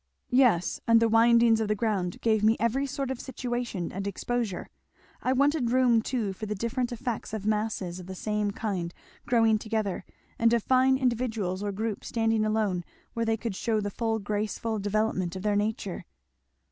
"Yes and the windings of the ground gave me every sort of situation and exposure. I wanted room too for the different effects of masses of the same kind growing together and of fine individuals or groups standing alone where they could shew the full graceful development of their nature."